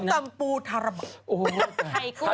ส้งตำปูทาระบา